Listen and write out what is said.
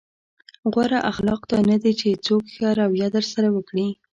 غوره اخلاق دا نه دي چې څوک ښه رويه درسره وکړي.